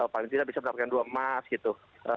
paling tidak bisa mendapatkan dua emas gitu